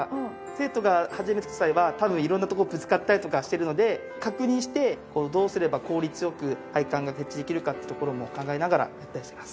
生徒が初めて作った際は多分色んなところがぶつかったりとかしているので確認してどうすれば効率よく配管が設置できるかってところも考えながらやったりしています。